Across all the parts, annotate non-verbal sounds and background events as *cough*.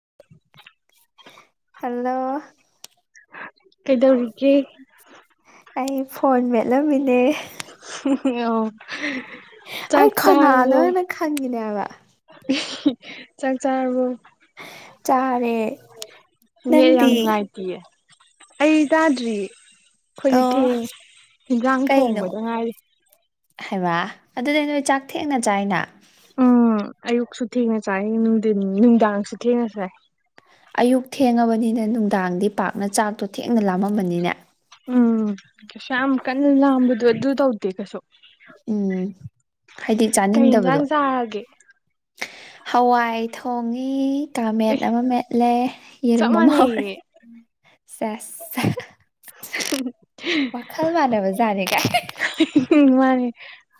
*inaudible* hello ꯀꯩꯗꯧꯔꯤꯒ‌ꯦ ꯑꯩ phone ꯃꯦꯠꯂꯝꯃꯤꯅꯦ ꯑꯣ ꯆꯥꯛ ꯆꯔꯕꯣ ꯈꯪꯈꯤꯅꯦꯕ ꯆꯥꯛ ꯆꯥꯔꯦ ꯆꯥꯔꯕ‌ꫭ *unintelligible* ꯌꯥꯝ ꯅꯪꯗꯤ ꯅꯨꯡꯉꯥꯏ ꯑꯩ ꯇꯥꯗ꯭ꯔꯤ ꯑꯣ ꯀ‌ꫭꯟꯂꯤꯛ ꯐ‌ꯦꯡꯉꯤ ꯌꯦꯟꯖꯥꯡ ꯊꯣꯡꯕꯗ ꯉꯥꯏꯔꯤ ꯍꯩꯃꯥ ꯑꯗꯨꯗꯤ ꯅꯣꯏ ꯆꯥꯛ ꯊꯦꯡꯅ ꯆꯥꯏꯅ ꯎꯝ ꯑꯌꯨꯛꯁꯨ ꯊꯦꯡꯅ ꯆꯥꯏ ꯅꯨꯡꯊꯤꯟ ꯅꯨꯡꯗꯥꯡꯁꯨ ꯊꯦꯡꯅ ꯆꯥꯏ ꯑꯌꯨꯛ ꯊꯦꯡꯉꯕꯅꯤꯅ ꯅꯨꯡꯗꯥꯡꯗꯤ ꯄꯥꯛꯅ ꯆꯥꯛꯇꯣ ꯊꯦꯡꯅ ꯂꯥꯝꯃꯝꯃꯅꯤꯅꯦ ꯎꯝ ꯀꯩꯁꯨꯌꯝ ꯀꯟꯅ ꯂꯝꯕꯗ ꯑꯗꯨ ꯇꯧꯗꯦ ꯀꯩꯁꯨ ꯎꯝ ꯍꯥꯏꯗꯤ ꯀꯩ ꯆꯥꯅꯤꯡꯗꯕꯗꯣ ꯌꯦꯟꯖꯥꯡ ꯆꯥꯔꯒꯦ ꯍꯋꯥꯏ ꯊꯣꯡꯉ‌ꯦ ꯑꯦ ꯀꯥꯡꯃꯠ ꯑꯃ ꯃꯦꯠꯂꯦ ꯆꯞ ꯌꯦꯔꯨꯝ ꯑꯃ ꯍꯧꯔꯦ ꯃꯥꯟꯅꯩꯌꯦ ꯁꯁ ꯋꯥꯈꯜ ꯃꯥꯟꯅꯕꯖꯥꯅꯤꯒꯥꯏ ꯃꯥꯅꯦ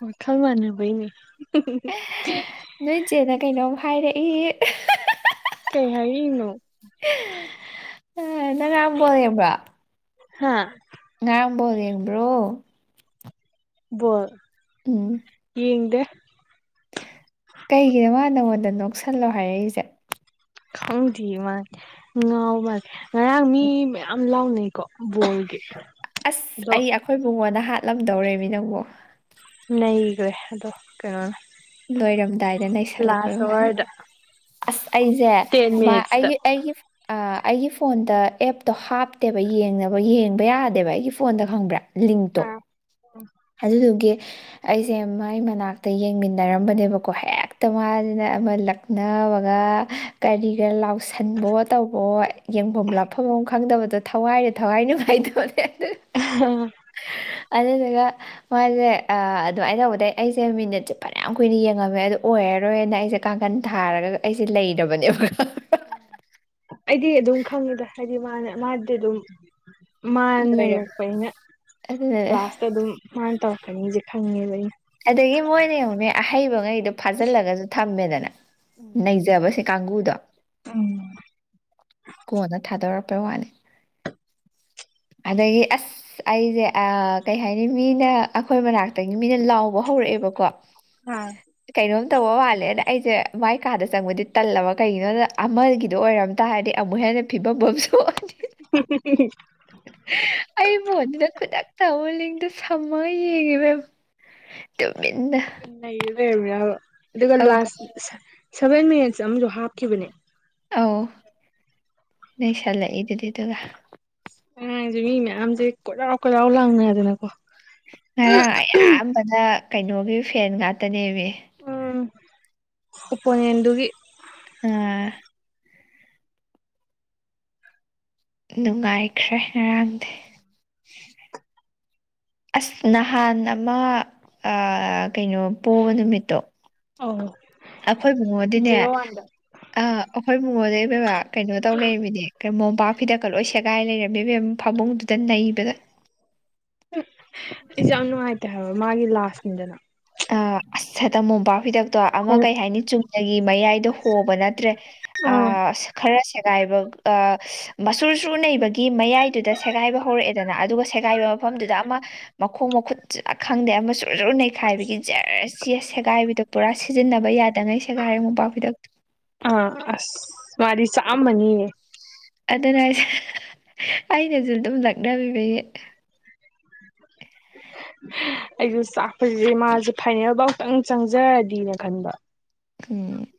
ꯋꯥꯈꯜ ꯃꯥꯟꯅꯕꯩꯅꯦ ꯅꯣꯏ ꯏꯆꯦꯅ ꯀꯩꯅꯣꯝ ꯍꯥꯏꯔꯛꯏ ꯀꯩ ꯍꯥꯏꯔꯛꯏꯅꫭ ꯅꯪ ꯉꯥꯔꯥꯡ ꯕꯣꯜ ꯌꯦꯡꯕ꯭ꯔꯣ ꯍꯥꯥ ꯉꯔꯥꯡ ꯕꯣꯜ ꯌꯦꯡꯕ꯭ꯔꯣ ꯕꫭꯜ ꯎꯝ ꯌꯦꯡꯗꯦ ꯀꯩꯒꯤꯅꯣ ꯃꯥ ꯅꯪꯉꯣꯟꯗ ꯅꯣꯛꯁꯜꯂꯣ ꯍꯥꯏꯔꯛꯏꯁꯦ ꯈꯪꯗꯤꯌ‌ꯦ ꯃꯥ ꯉꯥꯎ ꯃꯥꯜꯂ‌ꯦ ꯉꯔꯥꯡ ꯃꯤ ꯃꯌꯥꯝ ꯂꯥꯎꯅꯩꯀꯣ ꯕꯣꯜꯒꯤ ꯑꯁ ꯑꯗꯣ ꯑꯩ ꯑꯩꯈꯣꯏ ꯕꯨꯡꯉꯣꯅ ꯍꯥꯠꯂꯝꯗꯧꯔꯦꯃꯤ ꯅꯪꯕꯨ ꯅꯩꯒ꯭ꯔ‌ꯦ ꯑꯗꯣ ꯀꯩꯅꯣꯅ ꯂꯣꯏꯔꯝꯗꯥꯏꯗ ꯅꯩꯁꯜꯂꯛꯄꯩ ꯂꯥꯁ ꯋꯥꯅꯤ ꯑꯋꯥꯔꯗ ꯑꯁ ꯑꯩꯁꯦ ꯇꯦꯟ ꯃꯥ ꯃꯤꯅꯤꯠꯁꯇ ꯑꯩꯒꯤ ꯑꯩꯒꯤ ꯑꯥ *inaudible* ꯑꯩꯒꯤ ꯐꯣꯟꯗ ꯑꯦꯞꯇꯣ ꯍꯥꯞꯇꯦꯕ ꯌꯦꯡꯅꯕ ꯌꯦꯡꯕ ꯌꯥꯗꯦꯕ ꯑꯩꯒꯤ ꯐꯣꯟꯗ ꯈꯪꯕ꯭ꯔꯥ ꯂꯤꯡꯛꯇꯣ *unintelligible* ꯑꯗꯨꯗꯨꯒꯤ ꯑꯩꯁꯦ ꯃꯥꯏ ꯃꯅꯥꯛꯇ ꯌꯦꯡꯃꯤꯟꯅꯔꯝꯕꯅꯦꯕꯀꯣ ꯍꯦꯛꯇ ꯃꯥꯁꯤꯅ ꯑꯃ ꯂꯛ ꯅꯕꯒ ꯀꯔꯤꯒ ꯂꯥꯎꯁꯟꯕꯣ ꯇꯧꯕꯣ ꯌꯦꯡꯐꯝ ꯂꯥꯞꯐꯝ ꯑꯃ ꯈꯪꯗꯕꯗꯣ ꯊꯋꯥꯏꯅ ꯊꯋꯥꯏ ꯅꯨꯡꯉꯥꯏꯇꯕꯅꯦ *unintelligible* ꯑꯗꯨꯗꯨꯒ ꯃꯥꯁꯦ ꯑꯗꯨꯃꯥꯏꯅ ꯇꯧꯕꯗꯩ ꯑꯩꯁꯦ ꯃꯤꯅꯠꯁꯦ ꯐꯅꯌꯥꯝ ꯀꯨꯏꯅ ꯌꯦꯡꯉꯝꯃꯦ ꯑꯗꯨ ꯑꯣꯏꯔꯔꯣꯏꯅ ꯑꯩꯁꯦ ꯀꯥꯡꯈꯟ ꯊꯥꯔꯒ ꯑꯩꯁꯦ ꯂꯩꯔꯕꯅꯦꯕ ꯑꯩꯗꯤ ꯑꯗꯨꯝ ꯈꯪꯉꯦꯗ ꯍꯥꯏꯗꯤ ꯃꯥꯅ ꯃꯥꯗꯤ ꯑꯗꯨꯝ ꯂꯣꯏꯔꯕ ꯃꯥꯅꯩꯔꯛꯄꯅꯤꯅ ꯑꯗꯨꯅꯅꯦ ꯂꯥꯁꯇ ꯑꯗꯨꯝ ꯃꯥꯥꯅ ꯇꯧꯔꯛꯀꯅꯤꯁꯤ ꯈꯪꯉꯦꯕ ꯑꯩ ꯑꯗꯒꯤ ꯃꯣꯏꯅ ꯌꯦꯡꯉꯨꯅꯦ ꯑꯍꯩꯕ ꯉꯩ ꯗꯣ ꯐꯥꯖꯤꯜꯂꯒꯁꯨ ꯊꯝꯃꯦꯗꯅ ꯅꯩꯖꯕꯁꯦ ꯀꯥꯡꯒꯨꯗꯣ ꯎꯝ ꯀꯣꯟꯅ ꯊꯥꯗꯣꯔꯛꯄꯩ ꯋꯥꯅꯤ ꯑꯗꯩꯒꯤ ꯑꯁ ꯑ ꯑꯩꯁꯦ ꯀꯩ ꯍꯥꯏꯅꯤ ꯃꯤꯅ ꯑꯩꯈꯣꯏ ꯃꯅꯥꯛꯇꯒꯤ ꯃꯤꯅ ꯂꯥꯎ ꯂꯥꯎꯕ ꯍꯧꯔꯛꯑꯦꯕꯀꯣ ꯑꯥ ꯀꯩꯅꯣꯝ ꯇꯧꯕ ꯃꯥꯜꯂꯦꯅ ꯑꯩꯁꯦ ꯃꯥꯏ ꯀꯥꯗ ꯆꯪꯕꯗꯤ ꯇꯜꯂꯕ ꯀꯩꯒꯤꯅꯣꯗ ꯑꯃꯒꯤꯗꯣ ꯑꯣꯏꯔꯝ ꯇꯥꯔꯗꯤ ꯑꯃꯨꯛ ꯍꯦꯟꯅ ꯐꯤꯕꯝ ꯑꯃ ꯁꯣꯛꯑꯅꯤ *unintelligible* ꯑꯩꯕꯨ ꯑꯗꯨꯗ ꯈꯨꯗꯛꯇ ꯑꯃꯨꯛ ꯂꯤꯡꯗꯣ ꯁꯝꯃꯒ ꯌꯦꯡꯉꯦ ꯏꯕꯦꯝꯃ ꯇꯨꯃꯤꯟꯅ ꯑꯗꯨꯒ ꯅꯩꯔ ꯂꯩꯔꯝꯃꯤꯔꯕ ꯑꯗꯨꯒ ꯑꯧ ꯂꯥꯁ ꯁꯚꯦꯟ ꯃꯤꯅꯠꯁ ꯑꯃꯁꯨ ꯍꯥꯞꯈꯤꯕꯅꯦ ꯑꯧ ꯅꯩꯁꯜꯂꯛꯏꯗꯨꯗꯤ ꯑꯗꯨꯒ *unintelligible* ꯃꯤ ꯃꯌꯥꯝꯁꯦ ꯀꯣꯏꯔꯥꯎ ꯀꯣꯏꯔꯥꯎ ꯂꯥꯎꯅꯗꯅꯀꯣ ꯉꯔꯥꯡ ꯑꯌꯥꯝꯕꯅ ꯀꯩꯅꯣꯒꯤ ꯐꯦꯟ ꯉꯥꯛꯇꯅꯦꯃꯤ ꯎꯝ ꯑꯣꯄꯣꯅꯦꯟꯗꯨꯒꯤ ꯑ ꯅꯨꯡꯉꯥꯏꯈ꯭ꯔꯦ ꯉꯔꯥꯡꯗꯤ *inaudible* ꯑꯁ ꯅꯍꯥꯟ ꯑꯃ ꯀꯩꯅꯣ ꯄꯣꯕ ꯅꯨꯃꯤꯠꯇꯣ ꯑꯧ ꯑꯩꯈꯣꯏ ꯕꯨꯡꯉꯣꯗꯤꯅꯦ ꯖꯦꯔꯣ ꯋꯥꯟꯗ ꯑꯥ ꯑꯩꯈꯣꯏ ꯕꯨꯡꯉꯣꯗꯤ ꯏꯕꯦꯝꯃ ꯀꯩꯅꯣ ꯇꯧ ꯂꯩꯝꯃꯤꯅꯦ ꯀꯩ ꯃꯣꯝꯄꯥꯛ ꯐꯤꯗꯛꯀ ꯂꯣꯏ ꯁꯦꯒꯥꯏ ꯂꯩꯔꯝꯃꯦ ꯏꯕꯦꯝ ꯐꯃꯨꯡꯗꯨꯗ ꯅꯩꯕꯗ ꯑꯩꯁꯨ ꯌꯥꯝ ꯅꯨꯡꯉꯥꯏꯇꯦ ꯍꯥꯏꯕ ꯃꯥꯒꯤ ꯂꯥꯁꯅꯤꯗꯅ ꯑ ꯑꯁ ꯍꯦꯛꯇ ꯃꯣꯡꯄꯥꯛꯐꯤꯗꯛ ꯇꯣ ꯑꯃ ꯀꯩ ꯍꯥꯏꯅꯤ ꯆꯨꯝꯅꯒꯤ ꯃꯌꯥꯏꯗ ꯍꯣꯕ ꯅꯠꯇ꯭ꯔꯦ ꯑ ꯑꯥ ꯈꯔ ꯁꯦꯒꯥꯏꯕ ꯁꯨꯔꯨ ꯁꯨꯔꯨ ꯅꯩꯕ ꯒꯤ ꯃꯌꯥꯏꯗꯨꯗ ꯁꯦꯒꯥꯏꯕ ꯍꯧꯔꯛꯑꯦꯗꯅ ꯑꯗꯨꯒ ꯁꯦꯒꯥꯏꯕ ꯃꯐꯝꯗꯨꯗ ꯑꯃ ꯃꯈꯣꯡ ꯃꯈꯨꯠ ꯈꯪꯗꯦ ꯑꯃ ꯁꯨꯔꯨ ꯁꯨꯔꯨ ꯅꯩꯈꯥꯏꯕꯒꯤ *unintelligible* ꯁꯦꯒꯥꯏꯕꯤꯗꯣ ꯄꯨꯔꯥ ꯁꯤꯖꯤꯟꯅꯕ ꯌꯥꯗꯉꯩ ꯁꯦꯒꯥꯏꯔꯦ ꯃꯣꯄꯥꯛꯄꯤꯗꯛꯇꯨ ꯑꯥ ꯑꯁ ꯃꯥꯗꯤ ꯆꯥꯛꯑꯝꯃꯅꯤꯌꯦ ꯑꯗꯨꯅ ꯑꯩꯅꯁꯨ ꯑꯗꯨꯝ ꯂꯛꯅꯕꯤꯕꯒꯤ ꯑꯩꯁꯨ ꯆꯥꯛꯄꯁꯤꯗꯤ ꯃꯥꯁꯦ ꯐꯥꯏꯅꯦꯜꯐꯥꯎꯇꯪ ꯆꯪꯖꯔꯗꯤꯅ ꯈꯟꯕ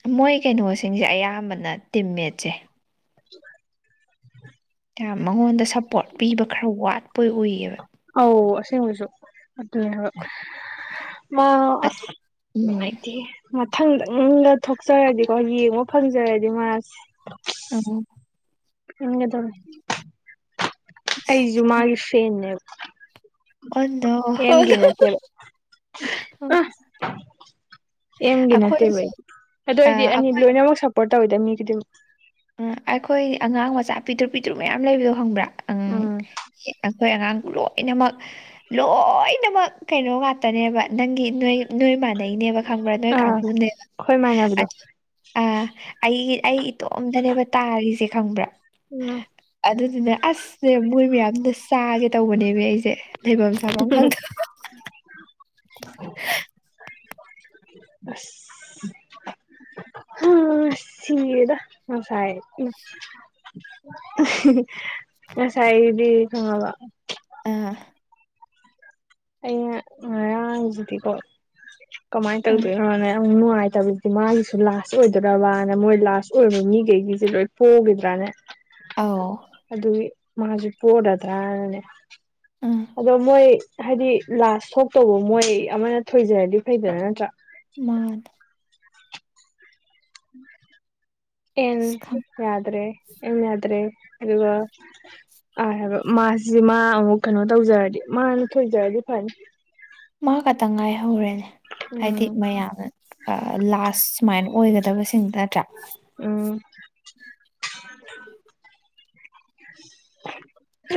ꯑꯝ ꯃꯣꯏ ꯀꯩꯅꯣꯁꯤꯡꯁꯦ ꯑꯌꯥꯝꯕꯅ ꯇꯤꯝꯃꯦꯠꯁꯦ *unintelligible* ꯌꯥꯝ ꯃꯉꯣꯟꯗ ꯁꯞꯄꯣꯔꯠ ꯄꯤꯕ ꯈꯔ ꯋꯥꯠꯄꯣꯏ ꯑꯨꯏꯌꯦꯕ ꯑꯧ ꯑꯁꯦꯡꯕꯩꯁꯨ ꯑꯗꯨ ꯃꯥ ꯑꯗꯨ ꯑꯁ ꯎꯝ ꯅꯨꯡꯉꯥꯏꯇꯦꯍꯦ ꯃꯊꯪꯗꯪꯒ ꯊꯣꯛꯆꯔꯗꯤꯀꯣ ꯌꯦꯡꯕ ꯐꯪꯖꯔꯗꯤ ꯃꯥꯁꯦ ꯑꯝ ꯈꯪꯒꯗꯕꯅꯦ ꯑꯩꯁꯨ ꯃꯥꯒꯤ ꯐꯦꯟꯅꯦꯕ ꯑꯣ ꯅꯣ ꯑꯦꯝꯒꯤ ꯅꯠꯇꯦꯕ ꯑ ꯑꯦꯝꯒꯤ ꯑꯩꯈꯣꯏ ꯅꯠꯇꯦꯕ ꯑꯩꯗꯤ ꯑꯗꯣ ꯑ, ꯑꯩꯗꯤ ꯑꯅꯤ ꯑꯩꯈꯣꯏ ꯂꯣꯏꯅꯃꯛ ꯁꯞꯄꯣꯔꯠ ꯇꯧꯋꯤꯗ ꯃꯤ ꯈꯨꯗꯤꯡꯃꯛ ꯑ ꯑꯩꯈꯣꯏ ꯑꯉꯥꯡ ꯃꯆꯥ ꯄꯤꯛꯇ꯭ꯔꯨ ꯄꯤꯛꯇ꯭ꯔꯨ ꯃꯌꯥꯝ ꯂꯩꯕꯗꯣ ꯈꯪꯕ꯭ꯔꯥ ꯑꯪ ꯎꯝ ꯑꯩꯈꯣꯏ ꯑꯉꯥꯡ ꯂꯣꯏꯅꯃꯛ ꯂꯣꯏꯅꯃꯛ ꯀꯩꯅꯣ ꯉꯥꯛꯇꯅꯦꯕ ꯅꯪꯒꯤ ꯅꯣꯏ ꯅꯣꯏ ꯃꯥꯟꯅꯩꯅꯦꯕ ꯈꯪꯕ꯭ꯔꯥ ꯅꯣꯏ ꯑꯥ ꯀꯥꯡꯕꯨꯅꯦꯕ ꯑꯩꯈꯣꯏ ꯃꯥꯟꯅꯕꯗꯣ ꯑꯗꯨ ꯑ ꯑꯩꯒꯤ ꯑꯩ ꯏꯇꯣꯝꯇꯅꯦꯕ ꯇꯥꯔꯤꯁꯦ ꯈꯪꯕ꯭ꯔꯥ ꯎꯝ ꯑꯗꯨꯗꯨꯅ ꯑꯁꯅꯦ ꯃꯣꯏ ꯃꯌꯥꯝꯅ ꯆꯥꯒꯦ ꯇꯧꯕꯅꯦꯕ ꯑꯩꯁꯦ ꯂꯩꯐꯝ *unintelligible* ꯁꯥꯐꯝ ꯈꯪꯗ ꯑꯁ ꯍꯝ ꯁꯤꯔꯦꯗ ꯉꯁꯥꯏ ꯉꯁꯥꯏꯗꯤ ꯈꯪꯉꯕ ꯑꯥ ꯑꯩꯅ ꯉꯔꯥꯡ ꯖꯤꯗꯤꯀꯣ ꯀꯃꯥꯏꯅ ꯑꯥ ꯇꯧꯗꯣꯏꯅꯣꯅꯦ ꯅꯨꯡꯉꯥꯏꯇꯕꯁꯤꯗꯤ ꯃꯥꯒꯤꯁꯨ ꯂꯥꯁ ꯑꯣꯏꯗꯧꯔꯕꯅ ꯃꯣꯏ ꯂꯥꯁ ꯑꯣꯏꯕ ꯃꯤꯈꯩꯒꯤꯁꯦ ꯂꯣꯏ ꯄꯣꯈꯤꯗ꯭ꯔꯥꯅꯦ ꯑꯧ ꯑꯗꯨꯒꯤ ꯃꯥꯁꯨ ꯄꯣꯔꯗ꯭ꯔꯅꯅꯦ ꯎꯝ ꯑꯗꯣ ꯃꯣꯏ ꯍꯥꯏꯗꯤ ꯂꯥꯁ ꯊꯣꯛꯇꯧꯕ ꯃꯣꯏ ꯑꯃꯅ ꯊꯣꯏꯖꯔꯗꯤ ꯐꯩꯗꯅ ꯅꯠꯇ꯭ꯔꯥ ꯃꯥꯅꯦ ꯑꯦꯟ ꯑꯁ ꯈꯪ ꯌꯥꯗ꯭ꯔꯦ ꯑꯦꯟ ꯌꯥꯗ꯭ꯔꯦ ꯑꯗꯨꯒ ꯑꯥꯔ ꯍꯥꯏꯕ ꯃꯥꯁꯤ ꯃꯥ ꯑꯃꯨꯛ ꯀꯩꯅꯣ ꯇꯧꯖꯔꯗꯤ ꯃꯥꯅ ꯊꯣꯏꯖꯔꯗꯤ ꯐꯅꯤ ꯃꯥ ꯈꯇꯪ ꯉꯥꯏꯍꯧꯔꯦꯅꯦ ꯍꯥꯏꯗꯤ ꯎꯝ ꯃꯌꯥꯝꯅ ꯂꯥꯁ ꯁꯨꯃꯥꯏꯅ ꯑꯣꯏꯒꯗꯕꯁꯤꯡ ꯅꯠꯇ꯭ꯔꯥ ꯎꯝ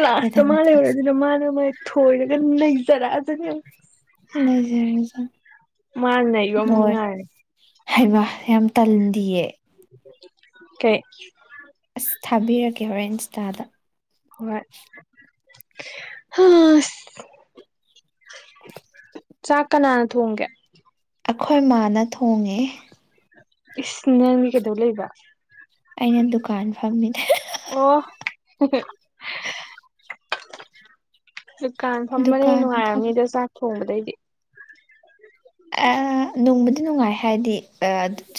ꯂꯥꯁꯇ ꯑꯗꯨꯗ ꯃꯥ ꯃꯊꯥ ꯂꯩꯍꯧꯔꯕꯅꯤꯅ ꯃꯥꯅ ꯃꯥꯥꯏ ꯊꯣꯏꯔꯒ ꯅꯩꯖꯔꯛꯑ ꯂꯩꯖꯔꯖꯅꯤ *unintelligible* ꯃꯥꯅ ꯅꯩꯕ ꯑꯃꯨꯛ ꯂꯣꯏꯔꯦ ꯉꯥꯏꯔꯒꯦ ꯍꯩꯃꯥ ꯌꯥꯝ ꯇꯟꯗꯤꯌꯦ ꯀꯩ ꯑꯁ ꯊꯥꯕꯤꯔꯛꯀꯦ ꯍꯧꯔꯦꯟ ꯏ꯭ꯟꯁꯇꯥꯗ ꯍꯣꯏ ꯍꯁ *inaudible* ꯆꯥꯛ ꯀꯅꯥꯅ ꯊꯣꯡꯒꯦ ꯑꯩꯈꯣꯏ ꯃꯥꯅ ꯊꯣꯡꯉꯦ ꯏꯁ ꯅꯪꯗꯤ ꯀꯩꯗꯧ ꯂꯩꯕ ꯑꯩꯅ ꯗꯨꯀꯥꯟ ꯐꯝꯃꯤ *unintelligible* ꯑꯣ *unintelligible* ꯗꯨꯀꯥꯟ ꯐꯝꯕꯅ ꯍꯦꯟ ꯗꯨꯀꯥꯟ ꯐꯝ ꯅꯨꯡꯉꯥꯏꯔꯝꯅꯤꯗ ꯆꯥꯛ ꯊꯣꯡꯕꯗꯩꯗꯤ ꯅꯨꯡꯕꯨꯗꯤ ꯅꯨꯡꯉꯥꯏ ꯍꯥꯏꯗꯤ ꯑ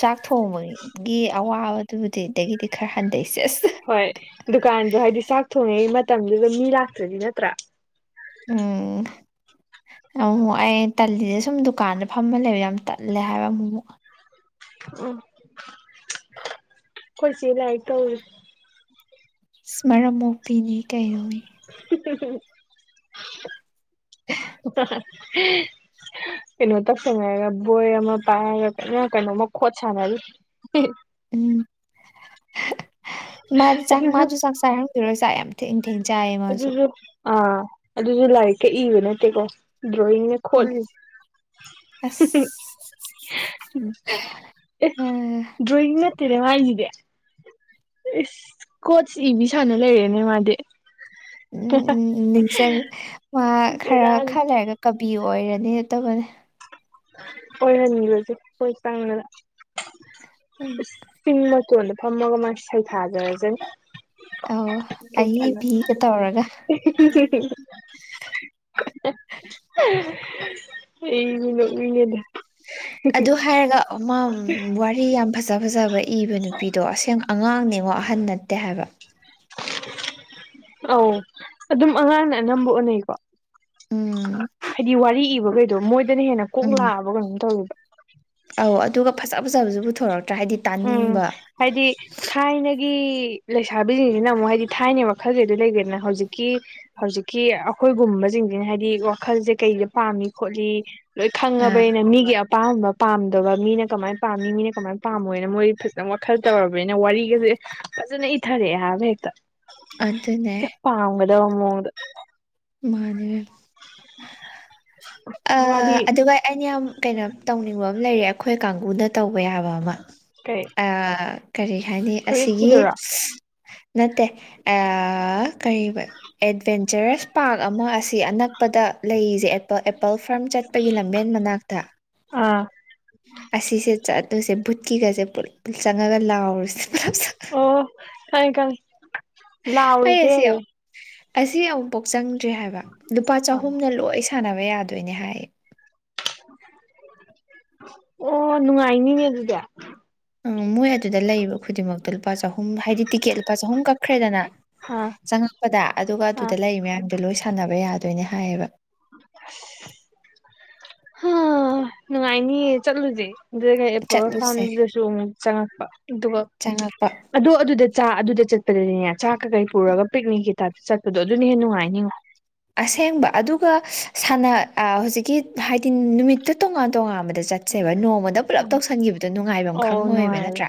ꯆꯥꯛ ꯊꯣꯡꯕꯒꯤ ꯑꯋꯥꯕꯗꯨꯕꯨꯗꯤꯗꯒꯤꯗꯤ ꯈꯔ ꯍꯟꯊꯩ ꯁꯦꯁ ꯍꯣꯏ ꯗꯨꯀꯥꯟꯗꯣ ꯍꯥꯏꯗꯤ ꯆꯥꯛ ꯊꯣꯡꯉꯤꯉꯩ ꯃꯇꯝꯗꯨꯗ ꯃꯤ ꯂꯥꯛꯇ꯭ꯔꯗꯤ ꯅꯠꯇ꯭ꯔꯥ *inaudible* ꯑꯃꯨꯃꯨꯛ ꯑꯩ ꯇꯜꯂꯤꯁꯦ ꯁꯨꯝ ꯗꯨꯀꯥꯟꯗ ꯐꯝꯕ ꯂꯩꯕ ꯌꯥꯝ ꯇꯜꯂꯦ ꯍꯥꯏꯕ ꯑꯃꯨꯛ ꯑꯃꯨꯛ ꯎ ꯑꯩꯈꯣꯏ ꯆꯦ ꯂꯥꯏꯔꯤꯛ ꯇꯧꯔꯤ ꯏꯁ ꯃꯔꯝ ꯃꯣꯛꯄꯤꯅꯤ ꯀꯩꯅꯣ *unintelligible* *unintelligible* ꯀꯩꯅꯣ ꯇꯧꯁꯟꯅꯔꯒ ꯕꯣꯏ ꯑꯃ ꯄꯥꯏꯔꯒ ꯀꯟꯅ ꯀꯩꯅꯣꯃ ꯈꯣꯠ ꯁꯥꯟꯅꯔꯤ ꯎꯝ ꯃꯥꯗꯤ ꯆꯥꯛ ꯑꯗꯨꯁꯨ ꯃꯥꯁꯨ ꯆꯥꯛ ꯆ *inaudible* ꯔꯣꯏ ꯆꯥꯛ ꯌꯥꯝ ꯊꯦꯡ ꯊꯦꯡ ꯆꯥꯏꯌꯦ ꯃꯥꯁꯨ ꯑꯗꯨꯁꯨ ꯑꯥ ꯑꯗꯨꯁꯨ ꯂꯥꯏꯔꯤꯛꯀ ꯏꯕ ꯅꯠꯇꯦꯀꯣ ꯗ꯭ꯔꯣꯋꯤꯡꯅꯦ ꯎꯝ ꯈꯣꯠꯂꯤꯁꯦ ꯑꯁ *unintelligible* ꯑ *unintelligible* ꯗ꯭ꯔꯣꯋꯤꯡ ꯅꯠꯇꯦꯅꯦ ꯃꯥꯏꯁꯤꯗꯤ ꯑꯦ ꯀꯣꯆ ꯏꯕꯤ ꯁꯥꯟꯅ ꯂꯩꯔꯦꯅꯦ ꯃꯥꯗꯤ ꯎꯝ ꯎꯝ ꯎꯝ ꯅꯤꯡꯁꯪ ꯃꯥ ꯈꯔ ꯕꯦꯔꯥꯅꯤ ꯈ ꯂꯩꯔꯒ ꯀꯕꯤ ꯑꯣꯏꯔꯅꯤ ꯇꯧꯕꯅꯦ ꯑꯣꯏꯍꯟꯈꯔꯁꯦ ꯑꯩꯈꯣꯏ ꯆꯪꯗꯅ ꯎꯝ ꯆꯤꯡ ꯃꯇꯣꯟꯗ ꯐꯝꯃ ꯃ ꯁꯩꯊꯖꯔꯁꯅꯤ ꯑꯣ ꯑꯏꯕꯤꯒ ꯇꯧꯔꯒ *unintelligible* *unintelligible* ꯑꯩꯗꯤꯕ ꯄꯦꯜꯂꯦꯗ *unintelligible* ꯑꯗꯨ ꯍꯥꯏꯔꯒ ꯑꯃꯥ ꯋꯥꯔꯤ ꯌꯥꯝ ꯐꯖ ꯐꯖꯕ ꯏꯕ ꯅꯨꯄꯤꯗꯣ ꯑꯁꯦꯡ ꯑꯉꯥꯡꯅꯦꯉꯣ ꯑꯍꯟ ꯅꯠꯇꯦ ꯍꯥꯏꯕ ꯑꯧ ꯑꯗꯨꯝ ꯑꯉꯥꯡꯅ ꯑꯅꯝꯕ ꯑꯣꯏꯅꯩꯀꯣ ꯎꯝ ꯍꯥꯏꯗꯤ ꯋꯥꯔꯤ ꯏꯕꯈꯩꯗꯣ ꯃꯣꯏꯗꯅ ꯍꯦꯟꯅ ꯀꯣꯛ ꯎꯝ ꯂꯥꯛꯑꯕ ꯀꯩꯅꯣꯝ ꯇꯧꯋꯦꯕ ꯑꯧ ꯑꯗꯨꯒ ꯐꯖ ꯐꯖꯕꯁꯨ ꯄꯨꯊꯣꯔꯛꯇ꯭ꯔꯥ ꯍꯥꯏꯗꯤ ꯎꯝ ꯇꯥꯅꯤꯡꯕ ꯍꯥꯏꯗꯤ ꯊꯥꯏꯅꯒꯤ ꯂꯩꯁꯥꯕꯤꯁꯤꯡꯁꯤꯅ ꯑꯃꯨꯛ ꯍꯥꯏꯗꯤ ꯊꯥꯏꯅꯒꯤ ꯋꯈꯜꯗ ꯂꯩꯈ꯭ꯔꯦꯗꯅ ꯍꯧꯖꯤꯛꯀꯤ ꯍꯧꯖꯤꯛꯀꯤ ꯑꯩꯈꯣꯏꯒꯨꯝꯕ ꯁꯤꯡꯁꯤꯅ ꯍꯥꯏꯗꯤ ꯋꯥꯈꯜꯁꯦ ꯀꯩꯗ ꯄꯥꯝꯃꯤ ꯈꯣꯠꯂꯤ ꯂꯣꯏ ꯑ ꯈꯪꯉꯕꯅꯤꯅ ꯃꯤꯒꯤ ꯑꯄꯥꯝꯕ ꯄꯥꯝꯗꯕ ꯃꯤꯅ ꯀꯃꯥꯏꯅ ꯄꯥꯝꯃꯤ ꯃꯤꯅ ꯀꯃꯥꯏꯅ ꯄꯥꯝꯃꯣꯏꯅ ꯃꯣꯏ ꯐꯖꯅ ꯋꯥꯈꯜ ꯇꯧꯔꯕꯅꯤꯅ ꯋꯥꯔꯤꯒꯁꯦ ꯐꯖꯅ ꯏꯊꯔꯛꯑꯦ ꯍꯥꯏꯕ ꯍꯦꯛꯇ ꯑꯗꯨꯅꯦ ꯄꯥꯝꯒꯗꯕ ꯃꯑꯣꯡꯗ ꯃꯥꯅꯦ ꯑ ꯋꯥꯔꯤ ꯑꯗꯨꯒ ꯑꯩꯅ ꯌꯥꯝ ꯀꯩꯅꯣ ꯇꯧꯅꯤꯡꯕ ꯑꯃ ꯂꯩꯔꯦ ꯑꯩꯈꯣꯏ ꯀꯥꯡꯒꯨꯅ ꯇꯧꯕ ꯌꯥꯕ ꯑꯃ ꯀꯩ ꯑ ꯀꯔꯤ ꯍꯥꯏꯅꯤ ꯑꯁꯤꯒꯤ ꯐꯨꯔꯤꯠꯀꯤꯗꯨꯔꯣ ꯅꯠꯇꯦ ꯑ ꯀꯔꯤꯕ ꯑꯦꯠꯕꯦꯟ ꯄꯥꯔꯛ ꯑꯃ ꯑꯁꯤ ꯑꯅꯛꯄꯗ ꯂꯩꯔꯤꯁꯦ ꯑꯦꯄꯜ ꯑꯦꯄꯜ ꯐꯥꯔꯝ ꯆꯠꯄꯒꯤ ꯂꯝꯕꯦꯟ ꯃꯅꯥꯛꯇ ꯑꯥ ꯑꯁꯤꯁꯦ ꯆꯠꯄꯁꯦ ꯕꯨꯠꯀꯤꯒꯁꯦ ꯄꯨꯂꯞ ꯄꯨꯟ ꯆꯪꯉꯒ ꯂꯥꯎꯔꯨꯁꯦ ꯑꯣ ꯈꯪꯉꯦ ꯈꯪꯉꯦ ꯑꯩ ꯂꯥꯎꯔꯤꯁꯦ ꯑꯁꯤ ꯑꯁꯤ ꯑꯃꯨꯛꯐꯧ ꯆꯪꯗ꯭ꯔꯤ ꯍꯥꯏꯕ ꯂꯨꯄꯥ ꯆꯍꯨꯝꯅ ꯂꯣꯏ ꯁꯥꯟꯅꯕ ꯌꯥꯗꯣꯏꯅꯦ ꯍꯥꯏꯌꯦ ꯑꯣ ꯅꯨꯡꯉꯥꯏꯅꯤꯅꯦ ꯑꯗꯨꯗꯤ ꯑꯝ ꯃꯣꯏ ꯑꯗꯨꯗ ꯂꯩꯕ ꯈꯨꯗꯤꯡꯃꯛꯇꯣ ꯂꯨꯄꯥ ꯆꯍꯨꯝ ꯍꯥꯏꯗꯤ ꯇꯤꯀꯦꯠ ꯂꯨꯄꯥ ꯆꯍꯨꯝ ꯀꯛꯈ꯭ꯔꯦꯗꯅ ꯑꯥ ꯆꯪꯉꯛꯄꯗ ꯑꯗꯨꯒ ꯑꯗꯨꯗ ꯂꯩꯔꯤ ꯃꯌꯥꯝꯗꯣ ꯂꯣꯏ ꯁꯥꯟꯅꯕ ꯌꯥꯗꯣꯏꯅꯦ ꯍꯥꯏꯌꯦꯕ ꯍ ꯅꯨꯡꯉꯥꯏꯅꯤꯌꯦ ꯆꯠꯂꯨꯁꯦ ꯑꯗꯨꯒ ꯑꯦꯄꯜ ꯆꯠꯂꯨꯁꯦ ꯐ꯭ꯔꯥꯝꯗꯁꯨ ꯑꯃꯨꯛ ꯆꯪꯉꯛꯄ ꯑꯗꯨꯒ ꯆꯪꯉꯛꯄ ꯑꯗꯣ ꯑꯗꯨꯗ ꯆꯥ ꯑꯗꯨꯗ ꯆꯠꯄꯗꯗꯤꯅꯦ ꯆꯥꯛ ꯀꯀꯩ ꯄꯨꯔꯒ ꯄꯤꯛꯅꯤꯛꯀꯤ ꯇꯥꯏꯞꯇ ꯆꯠꯄꯗꯣ ꯑꯗꯨꯅ ꯍꯦꯟꯅ ꯅꯨꯡꯉꯥꯏꯅꯤꯉꯣ ꯑꯁꯦꯡꯕ ꯑꯗꯨꯒ ꯁꯅ ꯑ ꯍꯧꯖꯤꯛꯀꯤ ꯍꯥꯏꯗꯤ ꯅꯨꯃꯤꯠꯇꯣ ꯇꯣꯉꯥꯟ ꯇꯣꯉꯥꯟꯕꯗ ꯆꯠ ꯁꯦꯕ ꯅꯣꯡꯃꯗ ꯄꯨꯂꯞ ꯇꯧꯁꯟꯈꯤꯕꯗꯣ ꯅꯨꯡꯉꯥꯏꯕꯝ ꯑꯣ ꯈꯪꯉꯧꯏꯕ ꯅꯨꯡꯉꯥꯏꯔꯦ ꯅꯠꯇ꯭ꯔꯥ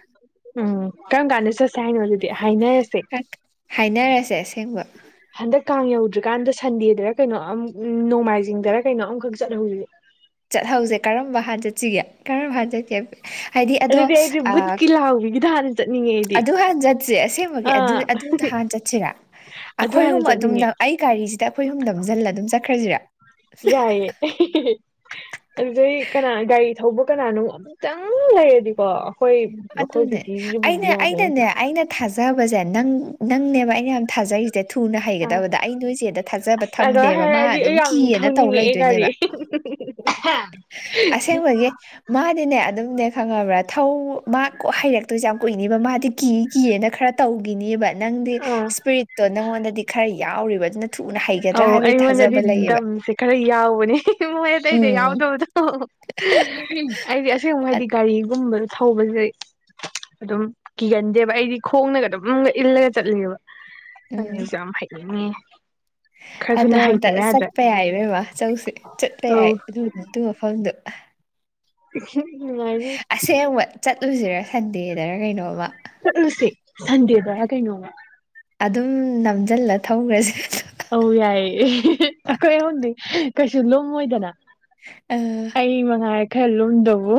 ꯎꯝ ꯀꯔꯝ ꯀꯥꯟꯗ ꯆꯠꯁꯦ ꯍꯥꯏꯅꯣ ꯑꯗꯨꯗꯤ ꯍꯥꯏꯅꯔꯁꯦ ꯈꯔ ꯍꯥꯏꯅꯔꯁꯦ ꯑꯁꯦꯡꯕ ꯍꯟꯗꯛ ꯀꯥꯡ ꯌꯧꯗ꯭ꯔꯤꯀꯥꯟꯗ ꯁꯟꯗꯦꯗꯔ ꯀꯩꯅꯣ ꯑꯃꯝ ꯅꯣꯡꯃꯥꯏꯖꯤꯡꯗꯔ ꯀꯩꯅꯣ ꯑꯝꯈꯛ ꯆꯠꯍꯧꯁꯦ ꯆꯠꯍꯧꯁꯦ ꯀꯔꯝꯕ ꯍꯥꯟ ꯆꯠꯁꯤꯒꯦ ꯀꯔꯝꯕ ꯍꯥꯟ ꯆꯠꯁꯤ ꯒꯦ ꯍꯥꯏ ꯍꯥꯏꯗꯤ ꯑꯗꯣ ꯑꯗꯨꯗꯤ ꯑꯩꯗꯤ ꯑꯥ ꯕꯨꯠꯀꯤ ꯂꯥꯎꯕꯤꯒꯤꯗ ꯍꯥꯟꯅ ꯆꯠꯅꯤꯡꯉꯦ ꯑꯩꯗꯤ ꯑꯗꯨ ꯍꯥꯟ ꯆꯠꯁꯦ ꯑꯁꯦꯡꯕꯒꯤ ꯑꯥ ꯑꯗꯨꯗ ꯑꯗꯨꯗ ꯍꯥꯟ ꯆꯠꯁꯤꯔꯥ ꯑꯗꯨ ꯑꯩꯈꯣꯏ ꯍꯥꯟꯅ ꯑꯍꯨꯝ ꯑꯗꯨꯝ ꯆꯠꯅꯤꯡꯉꯦ ꯅꯝ ꯑꯩ ꯒꯥꯔꯤꯁꯤꯗ ꯑꯩꯈꯣꯏ ꯑꯍꯨꯝ ꯅꯝꯁꯤꯜꯂ ꯑꯗꯨꯝ ꯆꯠꯈ꯭ꯔꯁꯤꯔꯥ ꯌꯥꯏꯌꯦ *unintelligible* ꯑꯗꯨꯗꯩ ꯀꯅꯥ ꯒꯥꯔꯤ ꯊꯧꯕ ꯀꯅꯥꯅꯣ ꯑꯃꯨꯛꯇꯪ ꯂꯩꯔꯗꯤꯀꯣ ꯑꯩꯈꯣꯏ ꯑꯗꯨꯅꯦ ꯑꯩꯈꯣꯏ *inaudible* ꯑꯩꯅ ꯌꯥꯕꯅ ꯑꯩꯅꯅꯦ ꯑꯩꯅ ꯊꯥꯖꯕꯁꯦ ꯅꯪ ꯅꯪꯅꯦꯕ ꯑꯩ ꯌꯥꯝ ꯊꯥꯖꯩ ꯁꯦ ꯊꯨꯅ ꯑꯥ ꯍꯩꯒꯗꯕꯗ ꯑꯩ ꯅꯣꯏ ꯆꯦꯗ ꯊꯥꯖꯕ ꯑꯗꯨꯃꯥꯏ ꯊꯝꯗꯦꯕ ꯃꯥ ꯍꯥꯏꯔꯛꯑꯗꯤ ꯑꯗꯨꯝ ꯑꯩ ꯌꯥꯝ ꯀꯤꯅ ꯇꯧ ꯂꯩꯗꯣꯏꯅꯦꯕ ꯍꯥ ꯑꯁꯦꯡꯕꯒꯤ *inaudible* ꯃꯥꯗꯤꯅꯦ ꯑꯗꯨꯝꯅꯦ ꯈꯪꯉꯕ꯭ꯔꯥ ꯊꯧ ꯃꯥ ꯀꯣ ꯍꯩꯔꯛꯇꯣꯏꯁꯦ ꯌꯥꯝ ꯀꯨꯏꯅꯦꯕ ꯃꯥꯗꯤ ꯀꯤ ꯀꯤꯌꯦꯅ ꯈꯔ ꯇꯧꯒꯤꯅꯤꯕ ꯅꯪꯗꯤ ꯑꯥ ꯏꯁꯄꯤꯔꯤꯠ ꯇꯣ ꯅꯪꯉꯣꯟꯗꯗꯤ ꯈꯔ ꯌꯥꯎꯔꯤꯕ ꯑꯗꯨꯅ ꯊꯨꯅ ꯍꯩꯒꯗ꯭ꯔꯥ ꯑꯧ ꯍꯥꯏꯕꯒꯤ ꯑꯩꯉꯣꯟꯗꯗꯤ ꯊꯥꯖꯕ ꯂꯩꯌꯦꯕ ꯗꯝꯁꯦ ꯈꯔ ꯌꯥꯎꯕꯅꯦ *unintelligible* ꯃꯣꯏ ꯑꯇꯩꯗ ꯎꯝ ꯌꯥꯎꯗꯕꯗꯣ ꯑꯩꯗꯤ ꯑꯁꯦꯡꯕ ꯍꯥꯏꯗꯤ ꯑ- ꯒꯥꯔꯤꯒꯨꯝꯕꯗ ꯊꯧꯕꯁꯦ ꯑꯗꯨꯝ ꯀꯤꯒꯟꯗꯦꯕ ꯑꯩꯗꯤ ꯈꯣꯡꯅꯒ ꯑꯗꯨꯝꯒ ꯏꯜꯂꯒ ꯆꯠꯂꯦꯕ ꯑꯗꯨꯅ ꯎꯝ ꯌꯥꯝ ꯍꯥꯏꯅꯤꯉꯦ ꯑꯗꯣ ꯑꯝꯇ ꯆꯠꯄ ꯌꯥꯏ ꯏꯕꯦꯝꯃ ꯆꯧꯁꯦ ꯆꯠꯄ ꯑꯧ ꯌꯥꯏ ꯑꯗꯨ ꯑꯗꯨ ꯃꯐꯝꯗꯨ *unintelligible* ꯅꯨꯡꯉꯥꯏꯅꯤ ꯑꯁꯦꯡꯕ ꯆꯠꯂꯨꯁꯤꯔꯥ ꯁꯟꯗꯦꯗꯔ ꯀꯩꯅꯣꯝꯃ ꯆꯠꯂꯨꯁꯤ ꯁꯟꯗꯦꯗꯔ ꯀꯩꯅꯣꯃ ꯑꯗꯨꯝ ꯅꯝꯖꯜꯂ ꯊꯧꯈ꯭ꯔꯁꯦ ꯑꯧ ꯌꯥꯏꯌꯦ *unintelligible* ꯑꯩꯈꯣꯏ ꯑꯍꯨꯝꯗꯤ ꯀꯩꯁꯨ ꯂꯨꯝꯃꯣꯏꯗꯅ ꯑꯥ ꯑꯩ ꯃꯉꯥꯏꯔꯦ ꯈꯔ ꯂꯨꯝꯗꯧꯕꯣ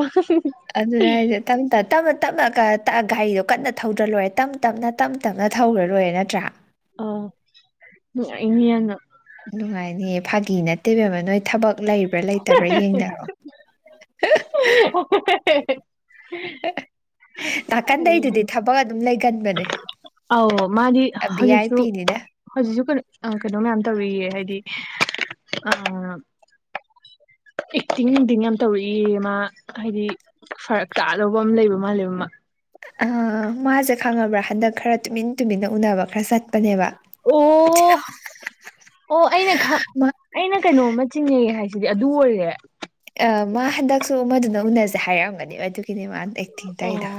ꯑꯗꯨꯅꯦ ꯍꯥꯏꯁꯦ ꯇꯪꯇ ꯇꯞꯅ ꯇꯞꯅꯒ ꯇ ꯒꯥꯔꯤꯗꯣ ꯀꯟꯅ ꯊꯧꯗ꯭ꯔ ꯂꯣꯏꯔꯦ ꯇꯝ ꯇꯝꯅ ꯇꯝ ꯇꯝꯅ ꯊꯧꯔ ꯂꯣꯏꯔꯦ ꯅꯠꯇ꯭ꯔꯥ ꯑꯥ ꯅꯨꯡꯉꯥꯏꯅꯤ ꯌꯥꯝꯅ ꯅꯨꯡꯉꯥꯏꯅꯤꯌꯦ ꯐꯥꯒꯤ ꯅꯠꯇꯦ ꯏꯕꯦꯝꯃ ꯅꯣꯏ ꯊꯕꯛ ꯂꯩꯕ꯭ꯔꯥ ꯂꯩꯇꯕ꯭ꯔꯥ ꯌꯦꯡꯅꯔꯣ *unintelligible* ꯅꯥꯀꯟꯗꯩꯗꯨꯗꯤ ꯊ ꯕꯛ ꯑꯗꯨꯝ ꯂꯩꯒꯟꯕꯅꯦ ꯑꯧ ꯃꯥꯗꯤ ꯑ ꯚꯤ ꯑꯥꯏ ꯍꯧꯖꯤꯛꯁꯨ ꯄꯤꯅꯤꯅ ꯍꯧꯖꯤꯛꯁꯨ ꯀꯩꯅꯣ ꯀꯩꯅꯣ ꯃꯌꯥꯝ ꯇꯧꯔꯤꯌꯦ ꯍꯥꯏꯗꯤ ꯑ ꯑꯦꯛꯇꯤꯡ ꯅꯨꯡꯇꯤꯡ ꯌꯥꯝ ꯇꯧꯔꯛꯏ ꯃꯥ ꯍꯥꯏꯗꯤ ꯐꯔꯛ ꯇꯥꯗꯧꯕ ꯑꯃ ꯂꯩꯕ ꯃꯥꯜꯂꯦꯕ ꯃꯥ ꯑꯥ ꯃꯥꯁꯦ ꯈꯪꯉꯕ꯭ꯔꯥ ꯍꯟꯗꯛ ꯈꯔ ꯇꯨꯃꯤꯟ ꯇꯨꯃꯤꯟꯅ ꯎꯅꯕ ꯈꯔ ꯆꯠꯄꯅꯦꯕ ꯎ ꯑꯣ ꯑꯩꯅ ꯈꯪ ꯃꯥ ꯑꯩꯅ ꯀꯩꯅꯣꯝꯃ ꯆꯤꯡꯅꯩ ꯍꯥꯏꯁꯤꯗꯤ ꯑꯗꯨ ꯑꯣꯏꯔꯦ ꯑ ꯃꯥ ꯍꯟꯗꯛꯁꯨ ꯑꯃꯗꯨꯅ ꯎꯅꯁꯦ ꯍꯥꯏꯔꯛꯑꯝꯒꯅꯦꯕ ꯑꯗꯨꯒꯤꯅꯦ ꯃꯥꯅ ꯑꯦꯛꯇꯤꯡ ꯇꯧꯔꯤꯗꯣ ꯑꯣ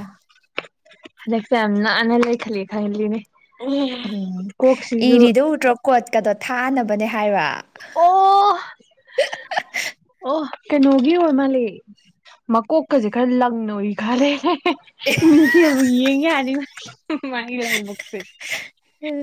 ꯍꯟꯗꯛꯁꯦ ꯌꯥꯝ ꯅꯥꯟꯅ ꯂꯩ ꯈꯜꯂꯤꯅꯦ ꯑꯦ ꯀꯣꯛꯁꯤꯖꯨ ꯀꯣꯠꯀꯥꯗꯣ ꯊꯥꯅꯕꯅꯦ ꯍꯥꯏꯕ ꯑꯣ ꯑꯣ ꯀꯩꯅꯣꯒꯤ ꯑꯣꯏ ꯃꯥꯜꯂꯦ ꯃꯀꯣꯛꯀꯁꯦ ꯈꯔ ꯂꯪꯅ ꯎꯏ ꯈꯜꯂꯦ ꯃꯤꯡꯁꯦꯜꯕꯨ ꯌꯦꯡ ꯌꯥꯅꯤꯅꯦ ꯃꯥꯒꯤ ꯂꯥꯏꯕꯛꯁꯦ *unintelligible*